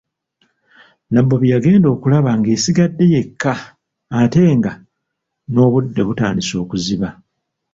Nabbubi yagenda okulaba ng'esigadde yekka ate nga n'obudde butandise okuziba.